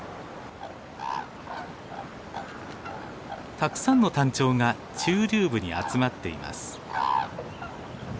たくさんのタンチョウが中流部に集まっています。